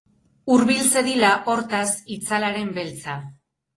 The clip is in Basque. Hurbil zedila, hortaz, itzalaren beltza!